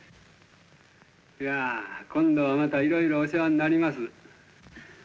いやあ今度はまたいろいろお世話になります。